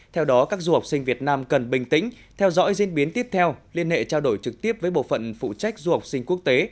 theo đó các du học sinh việt nam cần bình tĩnh theo dõi diễn biến tiếp theo liên hệ trao đổi trực tiếp với bộ phận phụ trách du học sinh quốc tế